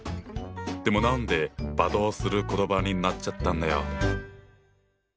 でも何で罵倒する言葉になっちゃったんだよ？